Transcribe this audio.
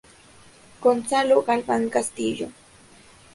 Gonzalo Galván Castillo.